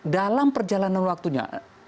dalam perjalanan waktunya